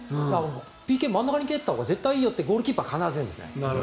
ＰＫ、真ん中に蹴ったほうがいいよってゴールキーパーは必ず言うんですね。